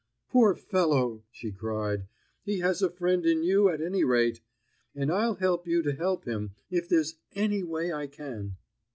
"Poor fellow," she cried, "he has a friend in you, at any rate! And I'll help you to help him, if there's any way I can?"